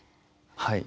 はい。